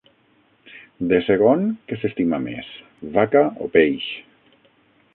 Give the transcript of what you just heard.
De segon què s'estima més, vaca o peix?